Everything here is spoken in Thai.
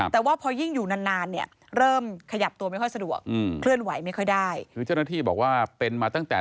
แต่ว่าพอยิ่งอยู่นาน